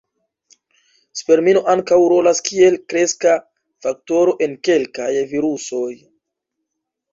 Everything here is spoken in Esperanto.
Spermino ankaŭ rolas kiel kreska faktoro en kelkaj virusoj.